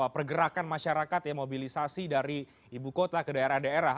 pergerakan masyarakat ya mobilisasi dari ibu kota ke daerah daerah